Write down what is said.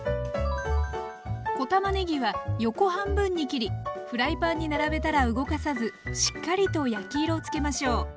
小たまねぎは横半分に切りフライパンに並べたら動かさずしっかりと焼き色をつけましょう。